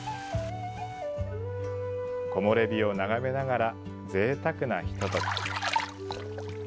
木漏れ日を眺めながらぜいたくなひととき。